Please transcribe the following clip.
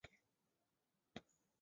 路灯亮化工程全面完成。